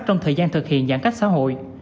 trong thời gian thực hiện giãn cách xã hội